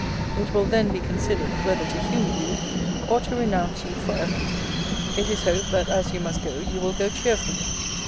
] it will then be considered, whether to humour you, or to renounce you for ever. It is hoped, that as you must go, you will go cheerfully.